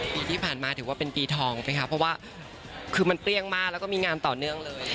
ปีที่ผ่านมาถือว่าเป็นปีทองไหมคะเพราะว่าคือมันเปรี้ยงมากแล้วก็มีงานต่อเนื่องเลย